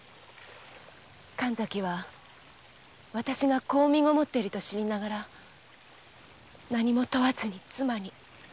神崎は私が子を身ごもっていると知りながら何も問わずに妻に。